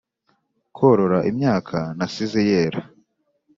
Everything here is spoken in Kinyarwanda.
Kurora imyaka nasize yera